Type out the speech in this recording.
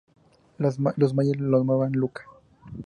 Los mayas lo nombran lu-Ka.